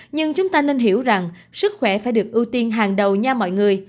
nhưng chúng ta nên hiểu rằng sức khỏe phải được ưu tiên hàng đầu cho mọi người